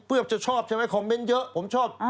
เพื่อจะชอบใช่ไหมคอมเมนต์เยอะผมชอบ